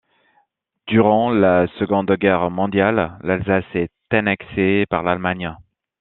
Durant la Seconde Guerre mondiale, l'Alsace est annexée par l’Allemagne.